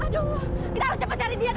aduh kita harus cepet cari dia pak